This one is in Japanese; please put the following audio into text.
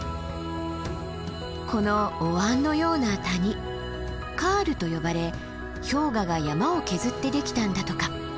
このお椀のような谷カールと呼ばれ氷河が山を削ってできたんだとか。